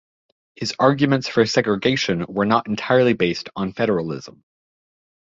His arguments for segregation were not entirely based on federalism.